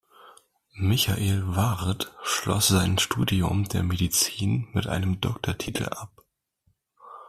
Michael Ward schloss sein Studium der Medizin mit einem Doktortitel ab.